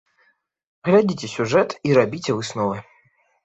Глядзіце сюжэт і рабіце высновы.